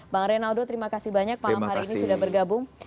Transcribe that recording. bang reynaldo terima kasih banyak malam hari ini sudah bergabung